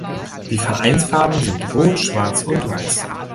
Die Vereinsfarben sind rot, schwarz und weiß.